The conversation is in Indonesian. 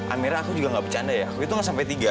amera aku juga gak bercanda ya aku itu gak sampai tiga